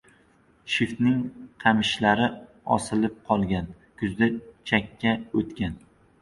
Shiftning qamishlari osilib qolgan: kuzda chakka o‘tgan.